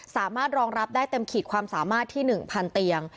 สามารถรองรับได้เต็มขีดความสามารถที่๑๐๐เตียง